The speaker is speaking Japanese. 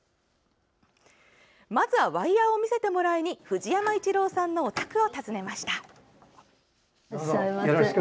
まずはワイヤーを見せてもらいに藤山一郎さんのお宅を訪ねました。